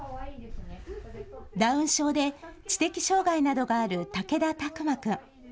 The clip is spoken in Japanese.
ダウン症で知的障害などがある武田巧眞君。